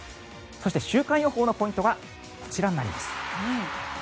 そして、週間予報のポイントはこちらになります。